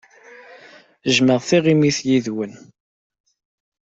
Jjmeɣ tiɣimit yid-went.